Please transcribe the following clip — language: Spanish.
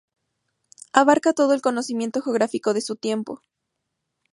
Abarca todo el conocimiento geográfico de su tiempo.